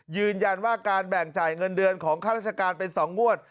ยืนยันว่าการแบ่งจ่ายเงินเดือนของข้าราชการเป็น๒งวด